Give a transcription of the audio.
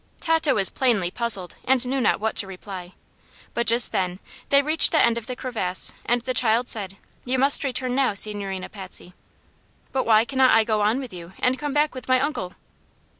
Tato was plainly puzzled, and knew not what to reply. But just then they reached the end of the crevasse, and the child said: "You must return now, Signorina Patsy." "But why cannot I go on with you, and come back with my uncle?"